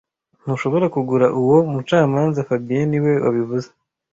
Ntushobora kugura uwo mucamanza fabien niwe wabivuze